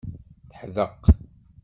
Teḥdeq.